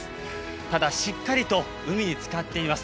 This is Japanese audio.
ただ、しっかりと海につかっています。